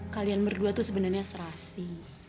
kalian berdua tuh sebenarnya serasi